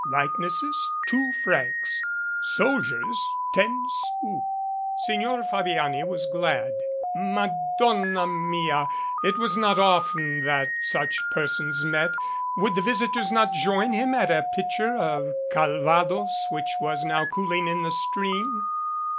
Likenesses, two francs soldiers, ten sous. Signer Fabiani was glad. Madonna mia! It was not often that such persons met. Would the visitors not join him at a pitcher of Calvados which was now cooling in the stream?